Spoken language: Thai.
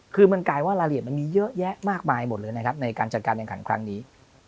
คือมันกลายว่ารายละเอียดมันมีเยอะแยะมากมายหมดเลยนะครับในการจัดการแข่งขันครั้งนี้